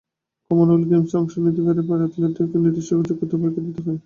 Commonwealth গেমসে অংশ নিতে প্যারা অ্যাথলেটদের নির্দিষ্ট কিছু যোগ্যতার পরীক্ষা দিতে হয়।